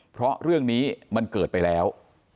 เพราะเรื่องนี้มันเกิดไปแล้ว